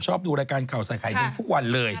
ชอบดูรายการเขาสายไข่นึงพรุ่งวันเลย